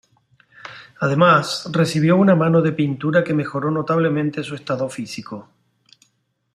Además recibió una mano de pintura que mejoró notablemente su estado físico.